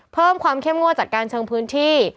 เพิ่มความเข้มงวดจัดการเชิงพื้นที่